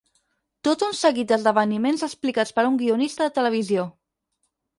Tot un seguit d'esdeveniments explicats per un guionista de televisió.